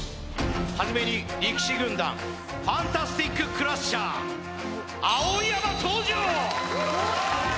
初めに力士軍団ファンタスティッククラッシャー碧山登場！